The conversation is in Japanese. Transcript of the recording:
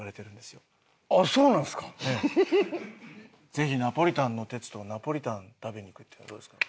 ぜひナポリタンの哲とナポリタン食べに行くっていうのはどうですか？